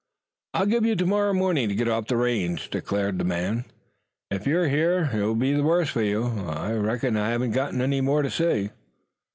"I'll give ye till tomorrow morning to get off the range," declared the man. "If you're here it will be the worse for you. I reckon I haven't got anything more to say."